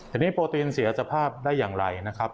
ทีนี้โปรตีนเสียสภาพได้อย่างไรนะครับ